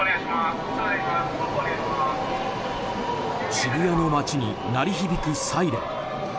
渋谷の街に鳴り響くサイレン。